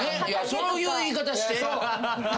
そういう言い方して。